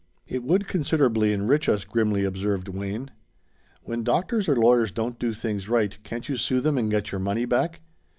"It would considerably enrich us," grimly observed Wayne. "When doctors or lawyers don't do things right can't you sue them and get your money back?